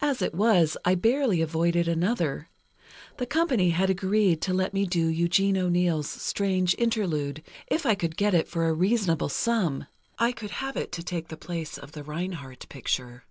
As it was, I barely avoided another: The company had agreed to let me do Eugene O'Neill's 'Strange Interlude,' if I could get it for a reasonable sum—I could have it to take the place of the Reinhardt picture.